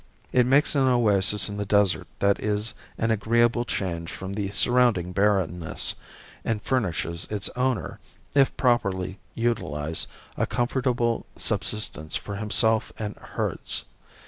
It makes an oasis in the desert that is an agreeable change from the surrounding barrenness, and furnishes its owner, if properly utilized, a comfortable subsistence for himself and herds.